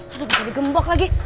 aduh udah jadi gembok lagi